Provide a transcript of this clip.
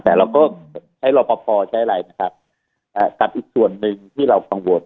แต่เราก็ใช้รอปภใช้อะไรนะครับกับอีกส่วนหนึ่งที่เรากังวล